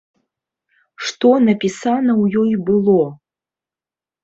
Што напісана ў ёй было?